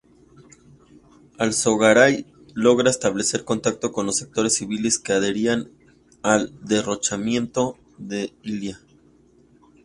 Alsogaray logró establecer contacto con los sectores civiles que adherían al derrocamiento de Illia.